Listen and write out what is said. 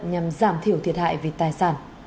nhằm giảm thiểu thiệt hại về tài sản